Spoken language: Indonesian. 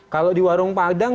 kalau di warung padang